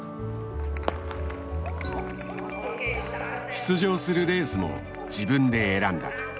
出場するレースも自分で選んだ。